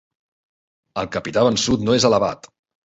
El capità vençut no és alabat.